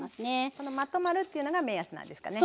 このまとまるっていうのが目安なんですかね。